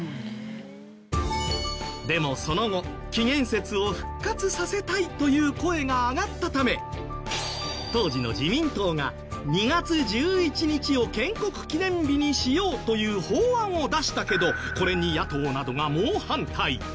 でもその後紀元節を復活させたいという声が上がったため当時の自民党が２月１１日を建国記念日にしようという法案を出したけどこれに野党などが猛反対。